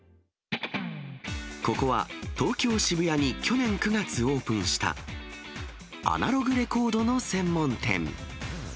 ここは、東京・渋谷に去年９月オープンした、アナログレコードの専門店。